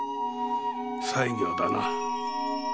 西行だな。